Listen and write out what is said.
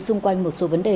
xung quanh một số vấn đề